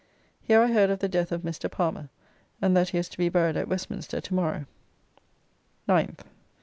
Here I heard of the death of Mr. Palmer, and that he was to be buried at Westminster tomorrow. 9th.